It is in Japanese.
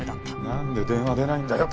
なんで電話出ないんだよ